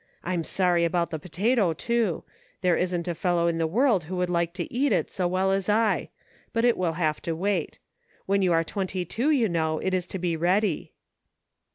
I'm sorry about the potato, too ; there isn't a fellow in the world who would like to eat it so well as I ; but it will have to wait. When you are twenty two, you know, it is to be ready."